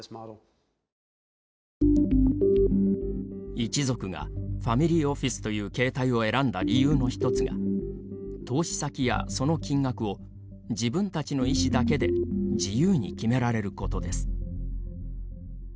一族がファミリーオフィスという形態を選んだ理由の１つが投資先やその金額を自分たちの意思だけで自由に決められることです。